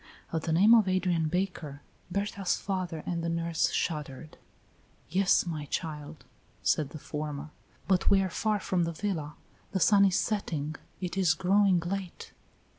At the name of Adrian Baker, Berta's father and the nurse shuddered. "Yes, my child," said the former, "but we are far from the villa, the sun is setting it is growing late."